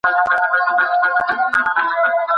د سياسي ژبې پېژندل د سياستوالو لپاره جدي اړتيا ده.